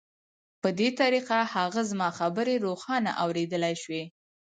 په دې طریقه هغه زما خبرې روښانه اورېدلای شوې